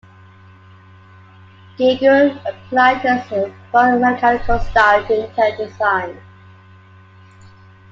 Giger applied his biomechanical style to interior design.